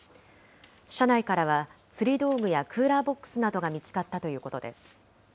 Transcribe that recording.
車内からは釣り道具やクーラーボックスなどが見つかったということです。